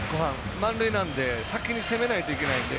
満塁なので先に攻めないといけないので。